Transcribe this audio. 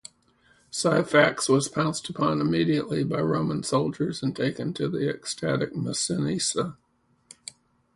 Syphax was pounced upon immediately by Roman soldiers and taken to the ecstatic Massinissa.